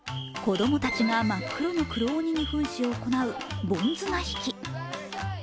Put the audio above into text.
子供たちが真っ黒の黒鬼にふんして行う盆綱引き。